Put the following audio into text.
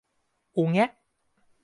อุแง๊ะ